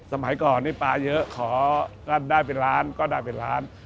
สมัยก่อนนี่ปลาเยอะขอก็ได้เป็นล้านก็ได้เป็นล้าน